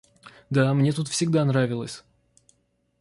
Да, мне тут всегда нравилось.